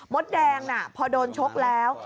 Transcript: ดแดงน่ะพอโดนชกแล้ว